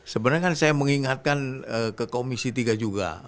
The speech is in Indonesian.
sebenarnya kan saya mengingatkan ke komisi tiga juga